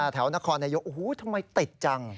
แถวนครเนี่ยโอ้โหทำไมติดจัง